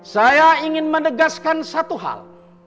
saya ingin menegaskan satu hal